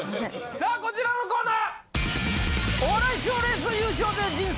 さあこちらのコーナー！